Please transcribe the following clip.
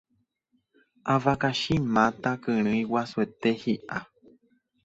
avakachi máta kyrỹi guasuete hi'a